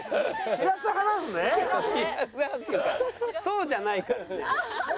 散らす派っていうかそうじゃないからね。